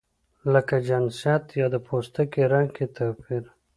لکه جنسیت یا د پوستکي رنګ کې توپیر.